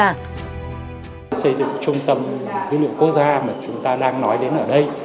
xây dựng trung tâm dữ liệu quốc gia mà chúng ta đang nói đến ở đây